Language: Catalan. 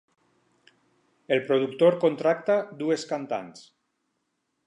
El productor contracta dues cantants.